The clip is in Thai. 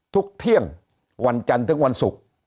เที่ยงวันจันทร์ถึงวันศุกร์